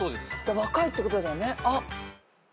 若いってことだよね。